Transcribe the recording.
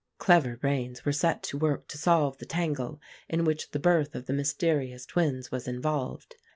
Clever brains were set to work to solve the tangle in which the birth of the mysterious twins was involved.